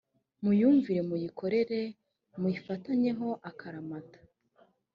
muyumvire muyikorere muyifatanyeho akaramata